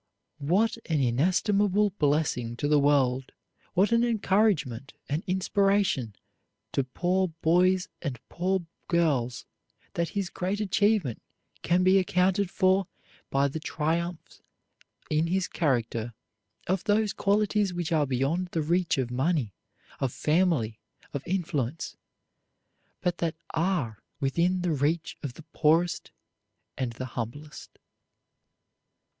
What an inestimable blessing to the world, what an encouragement, an inspiration to poor boys and poor girls that his great achievement can be accounted for by the triumph in his character of those qualities which are beyond the reach of money, of family, of influence, but that are within the reach of the poorest and the humblest.